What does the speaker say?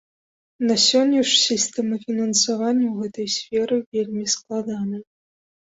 На сёння ж сістэма фінансавання ў гэтай сферы вельмі складаная.